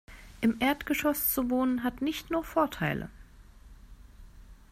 Im Erdgeschoss zu wohnen, hat nicht nur Vorteile.